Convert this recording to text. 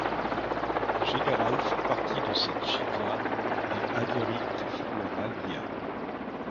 En général font partie de cette shichva les haverim qui font leur aliya.